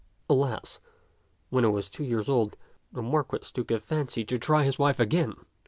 Alas, when it was two years old, the Marquis took a fancy to try his wife again.